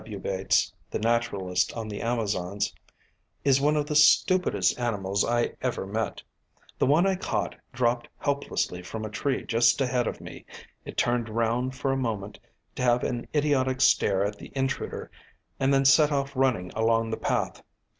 W. Bates (The Naturalist on the Amazons), "is one of the stupidest animals I ever met. The one I caught dropped helplessly from a tree just ahead of me; it turned round for a moment to have an idiotic stare at the intruder and then set off running along the path.